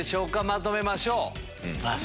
まとめましょう。